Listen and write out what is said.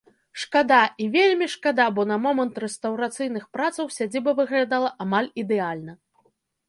Шкада і вельмі шкада, бо на момант рэстаўрацыйных працаў сядзіба выглядала амаль ідэальна.